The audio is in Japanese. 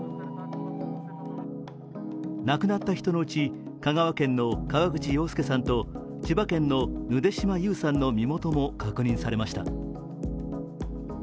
亡くなった人のうち香川県の河口洋介さんと千葉県のぬで島優さんの身元も確認されました。